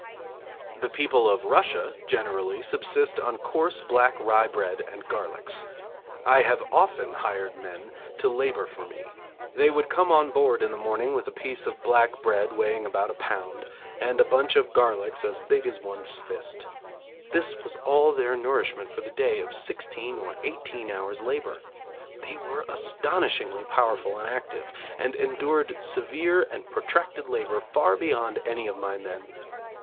'The people of Russia, generally, subsist on coarse black rye bread and garlics. I have often hired men to labour for me. They would come on board in the morning with a piece of black bread weighing about a pound, and a bunch of garlics as big as one's fist. This was all their nourishment for the day of sixteen or eighteen hours' labour. They were astonishingly powerful and active, and endured severe and protracted labour far beyond any of my men.